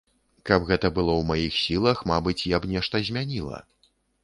Каб гэта было ў маіх сілах, мабыць, я б нешта змяніла.